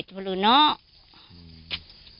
ที่มีข่าวเรื่องน้องหายตัว